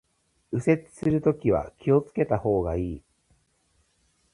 右折するときは気を付けた方がいい